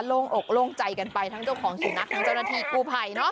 โล่งอกโล่งใจกันไปทั้งเจ้าของสุนัขทั้งเจ้าหน้าที่กู้ภัย